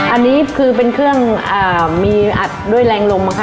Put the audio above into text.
อันนี้คือเป็นเครื่องมีอัดด้วยแรงลมค่ะ